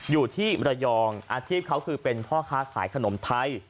อยู่ที่ระยองอาชีพเขาคือเป็นพ่อค้าขายขนมไทย